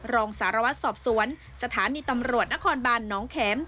รองสารวัตรสอบสวนสถานีตำรวจนครบานน้องแข็ม